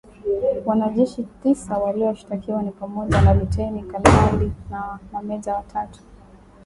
Wanajeshi tisa walioshtakiwa ni pamoja na luteni kanali na mameja watatu